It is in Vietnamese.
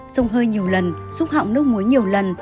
sông hơi nhiều lần xúc họng nước muối nhiều lần